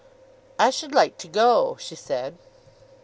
"I should like to go," she said.